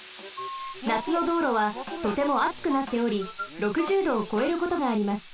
なつのどうろはとてもあつくなっており６０℃をこえることがあります。